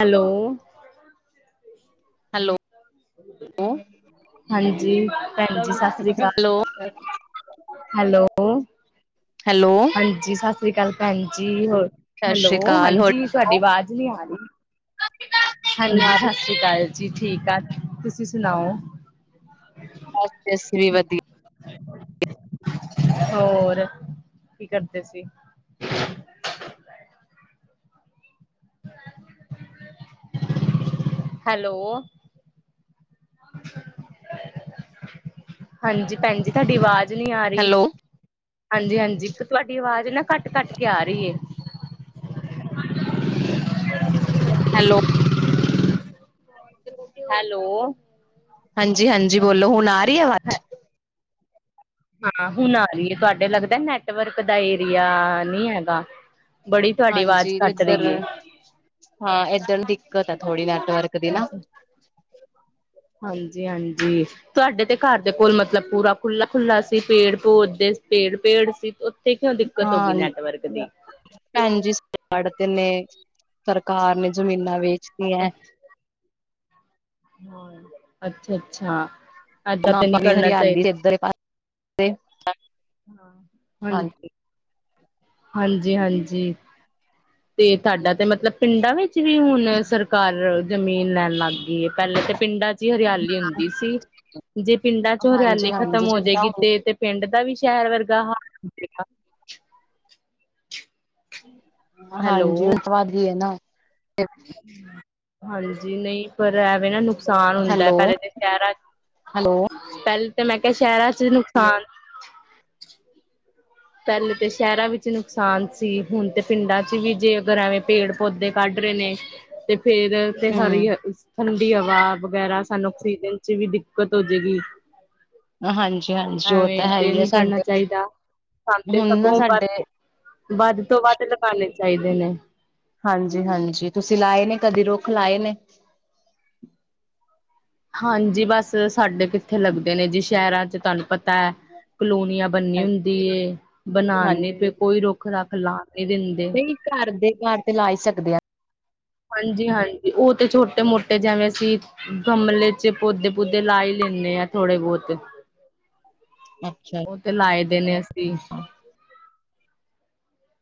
Hello. Hello hello. ਹਾਂਜੀ ਭੈਣ ਜੀ ਸਤਿ ਸ੍ਰੀ ਅਕਾਲ ਅਹ। ਹੈਲੋ, ਹੈਲੋ ਹਾਂਜੀ ਸਾਸਰੀ ਅਕਾਲ ਭੈਣ ਜੀ, ਹੋਰ? ਸਤਿ ਹੈਲੋ ਸ੍ਰੀ ਅਕਾਲ ਹੋਰ ਹਾਂਜੀ, ਤੁਹਾਡੀ ਵਾਜ਼ ਨੀ ਆ ਰਹੀ। ਹਾਂਜੀ ਸਾ ਸਰੀ ਅਕਾਲ ਜੀ ਠੀਕ ਆ, ਤੁਸੀਂ ਸੁਣਾਓ? ਬਸ ਤੇ ਅਸੀਂ ਵੀ ਵਧੀਆ। ਹੋਰ, ਕੀ ਕਰਦੇ ਸੀ? [inaudible] ਹੈਲੋ। ਹਾਂਜੀ ਭੈਣ ਜੀ ਤੁਹਾਡੀ ਆਵਾਜ਼ ਨਈਂ ਆ ਰਹੀ ਹੈਲੋ ਹਾਂਜੀ ਹਾਂਜੀ, ਤੁਹਾਡੀ ਆਵਾਜ਼ ਨਾ ਘੱਟ ਘੱਟ ਕੇ ਆ ਰਹੀ ਐ। ਹੈਲੋ। [inaudible] ਹੈਲੋ ਹਾਂਜੀ ਹਾਂਜੀ ਬੋਲੋ, ਹੁਣ ਆ ਰਹੀ ਆਵਾ ਹੈ ਹਾਂ ਹੁਣ ਆ ਰਹੀਏ ਤੁਹਾਡੇ ਲੱਗਦਾ ਨੈਟਵਰਕ ਦਾ ਏਰੀਆ ਨ੍ਹੀਂ ਹੈਗਾ। ਬੜੀ ਤੁਹਾਡੀ ਆਵਾਜ਼ ਹਾਂਜੀ ਘੱਟ ਇੱਧਰ ਰਹੀ ਐ। ਹਾਂ ਏਦਣ ਦਿੱਕਤ ਆ ਥੋੜ੍ਹੀ ਨੈਟਵਰਕ ਦੀ ਨਾ। ਹਾਂਜੀ ਹਾਂਜੀ। ਤੁਹਾਡੇ ਤੇ ਘਰ ਦੇ ਕੋਲ ਮਤਲਬ ਪੂਰਾ ਖੁੱਲਲਾ-ਖੁੱਲਲਾ ਸੀ ਪੇੜ ਪੌਦੇ ਪੇੜ-ਪੇੜ ਸੀ, ਉੱਥੇ ਕਿਉਂ ਦਿੱਕਤ ਹੋ ਗਈ ਨੈਟਵਰਕ ਦੀ। ਭੈਣਜੀ ਜੜ ਤੇ ਨੇ ਸਰਕਾਰ ਨੇ ਜ਼ਮੀਨਾਂ ਵੇਚਤੀਆਂ। ਹਾਂ, ਅੱਛਾ ਅੱਛਾ। [unintelligible] ਪਾਣੀ ਹਰਿਆਲੀ ਇਧਰ [unintelligible] ਹਾਂ [unintelligible] ਹਾਂਜੀ ਹਾਂਜੀ ਤੇ ਤੁਹਾਡਾ ਤੇ ਮਤਲਬ ਪਿੰਡਾਂ ਵਿੱਚ ਵੀ ਹੁਣ ਸਰਕਾਰ ਜ਼ਮੀਨ ਲੈਣ ਲੱਗ ਗਈ ਐ ਪਹਿਲੇ ਤੇ ਪਿੰਡਾਂ ਚ ਹਰਿਆਲੀ ਹੁੰਦੀ ਸੀ। ਜੇ ਪਿੰਡਾਂ ਚੋਂ ਹਾਂਜੀ ਹਰਿਆਲੀ ਹਾਂਜੀ ਖਤਮ ਹੋ ਜਿੱਦਾਂ ਜਾਏਗੀ ਹੁਣ ਤੇ ਤੇ ਪਿੰਡ ਦਾ ਵੀ ਸ਼ਹਿਰ ਵਰਗਾ ਹਾਲ ਹੈਗਾ। ਹਾਂਜੀ ਉਸ ਹੈਲੋ ਤੋਂ ਬਾਅਦ ਈ ਏ ਨਾ। ਹਾਂਜੀ ਨਈ ਪਰ ਐਵੇਂ ਨਾ ਨੁਕਸਾ ਨੁਕਸਾਨ ਹੁੰਦਾ ਹੈਲੋ ਪਹਿਲੇ ਤਾਂ ਸ਼ਹਿਰਾਂ ਹੈਲੋ ਚ ਪਹਿਲੇ ਤਾਂ ਮੈਂ ਕਿਆ ਸ਼ਹਿਰਾਂ ਚ ਨੁਕਸਾਨ ਪਹਿਲੇ ਤਾਂ ਸ਼ਹਿਰਾਂ ਵਿੱਚ ਨੁਕਸਾਨ ਸੀ, ਹੁਣ ਤੇ ਪਿੰਡਾਂ ਚ ਵੀ ਜੇ ਅਗਰ ਏਵੇਂ ਪੇੜ-ਪੌਦੇ ਕੱਢ ਰੇ ਨੇ। ਤੇ ਫੇਰ ਤੇ ਸਾਰੀ ਹਮ ਅ ਠੰਡੀ ਹਵਾ ਵਗੈਰਾ ਸਾਨੂੰ ਆਕਸੀਜਨ ਚ ਵੀ ਦਿੱਕਤ ਹੋਜੇਗੀ। ਹਾਂਜੀ ਹਾਂਜੀ ਉਹ ਹੇਵੇਂ ਤਾਂ ਹੈ ਤੇ ਹੀ ਹੈ ਨਈਂ ਕਰਨਾ ਸਾਡੇ ਚਾਈਦਾ। ਖਾਂਦੇ ਹੁਣ ਨਾ ਸਗੋਂ ਸਾਡੇ ਵੱਧ ਵੱਧ ਤੋਂ ਵੱਧ ਲਗਾਉਣੇ ਚਾਈਦੇ ਨੇ। ਹਾਂਜੀ ਹਾਂਜੀ, ਤੁਸੀਂ ਲਾਏ ਨੇ, ਕਦੇ ਰੁੱਖ ਲਾਏ ਨੇ। ਹਾਂਜੀ ਬਸ, ਸਾਡੇ ਕਿੱਥੇ ਲੱਗਦੇ ਨੇ ਜੀ ਸ਼ਹਿਰਾਂ ਚ ਤੁਹਾਨੂੰ ਪਤਾ ਕਲੋਨੀਆਂ ਬਣਨੀ ਹੁੰਦੀ ਏ ਬਣਾਣੇ ਹਾਂਜੀ ਪੇ ਕੋਈ ਰੋ ਰੱਖ ਲਾਨ ਨ੍ਹੀਂ ਦਿੰਦੇ। ਨਹੀਂ ਘਰ ਦੇ ਘਰ ਤੇ ਲਾ ਈ ਸਕਦੇ ਹਾਂ। ਹਾਂਜੀ ਹਾਂਜੀ, ਉਹ ਤੇ ਛੋਟੇ-ਮੋਟੇ ਜਿਵੇਂ ਅਸੀਂ ਗਮਲੇ ਚ ਪੌਦੇ-ਪੂਦੇ ਲਾ ਈ ਲੈਂਣੇ ਆ ਥੋੜੇ ਬੋਤੇ। ਅੱਛਾ। ਉਹ ਤੇ ਲਾਏ ਦੇ ਨੇ ਅਸੀਂ।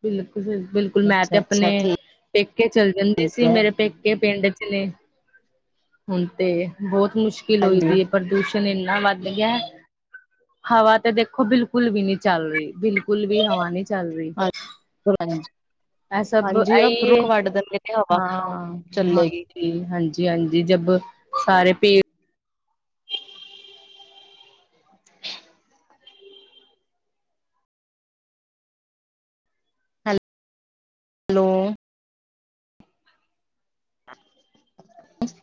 ਬਿਲਕੁਲ ਬਿਲ ਮੈਂ ਤੇ ਅੱਛਾ ਅੱਛਾ ਆਪਣੇ ਠੀਕ ਪੇਕੇ ਚੱਲ ਜਾਂਦੀ ਠੀਕ ਸੀ ਹੈ ਮੇਰੇ ਪੇਕੇ ਪਿੰਡ ਚ ਨੇ। ਹੁਣ ਤੇ ਬੋਤ ਮੁਸ਼ਕਿਲ ਹੋਈ ਹਾਂਜੀ ਦੀ ਐ ਪ੍ਰਦੂਸ਼ਣ ਇੰਨਾ ਵੱਧ ਗਿਆ ਹਵਾ ਤੇ ਦੇਖੋ ਬਿਲਕ ਬਿਲਕੁਲ ਵੀ ਨੀ ਚੱਲ ਰਹੀ, ਬਿਲਕੁਲ ਵੀ ਹਵਾ ਨੀ ਚੱਲ ਰੀ। ਹਾਂਜੀ, ਉਹ ਰੁੱਖ ਆਈ ਵੱਢ ਦਿੰਦੇ ਨੇ ਹਵਾ ਹਾਂ ਕੀਦਾ ਚਲੇਗੀ। ਹਾਂਜੀ ਹਾਂਜੀ ਹਾਂਜੀ, ਜਬ ਸਾਰੇ ਪੇਡ [inaudible] ਹੈਲੋ। - [inaudible]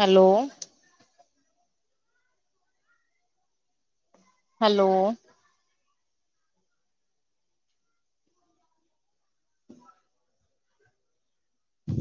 ਹੈਲੋ। ਹੈਲੋ।